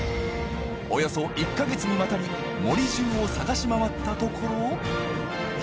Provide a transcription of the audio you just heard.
およそ１か月にわたり森じゅうを探し回ったところ。